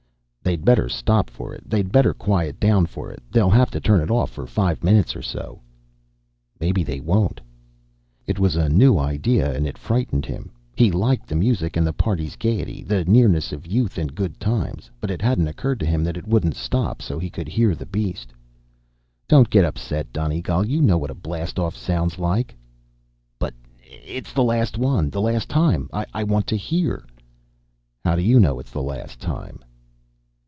"They'd better stop for it. They'd better quiet down for it. They'll have to turn it off for five minutes or so." "Maybe they won't." It was a new idea, and it frightened him. He liked the music, and the party's gaiety, the nearness of youth and good times but it hadn't occurred to him that it wouldn't stop so he could hear the beast. "Don't get upset, Donegal. You know what a blast off sounds like." "But it's the last one. The last time. I want to hear." "How do you know it's the last time?"